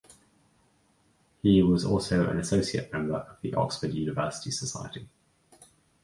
He was also an Associate Member of the Oxford University Society.